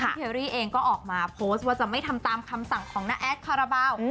เชอรี่เองก็ออกมาโพสต์ว่าจะไม่ทำตามคำสั่งของน้าแอดคาราบาล